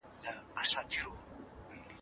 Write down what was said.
کورونه روښانه دي.